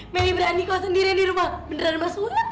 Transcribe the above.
melly berani kok sendirian dirumah beneran emas banget